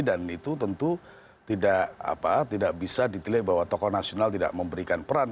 dan itu tentu tidak bisa ditilai bahwa tokoh nasional tidak memberikan peran